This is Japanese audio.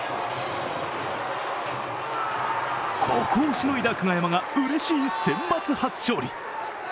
ここをしのいだ久我山がうれしいセンバツ初勝利。